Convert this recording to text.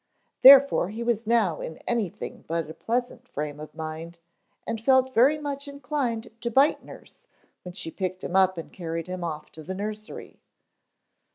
Therefore he was now in anything but a pleasant frame of mind and felt very much inclined to bite nurse when she picked him up and carried him off to the nursery.